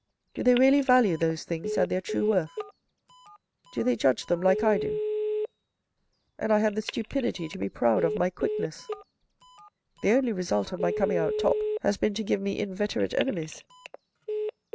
Do they really value those things at their true worth? Do they judge them like I do. And I had the stupidity to be proud of my quickness. The only result of my coming out top has been to give me inveterate enemies.